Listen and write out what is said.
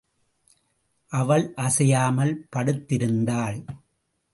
அவள் அசையாமல் படுத்திருந்தாள்.